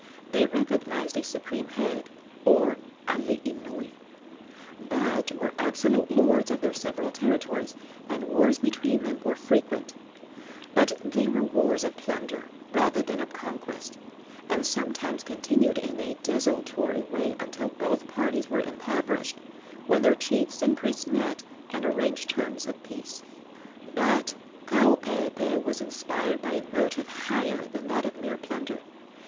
They recognized a supreme head, or alii nui, but were absolute lords of their several territories, and wars between them were frequent; but they were wars of plunder rather than of conquest, and sometimes continued in a desultory way until both parties were impoverished, when their chiefs and priests met and arranged terms of peace. But Kaupeepee was inspired by a motive higher than that of mere plunder.